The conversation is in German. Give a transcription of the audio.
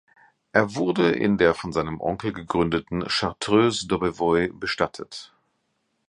Er wurde in der von seinem Onkel gegründeten Chartreuse d’Aubevoye bestattet.